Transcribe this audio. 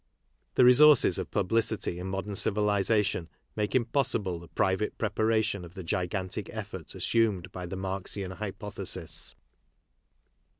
The iresources of publicity in modern civilization make im jpossible the private preparation of the gigantic effort iassOmed by the Marxian hypothesis.